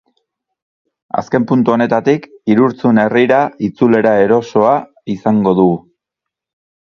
Azken puntu honetatik, Irurtzun herrira itzulera erosoa izango dugu.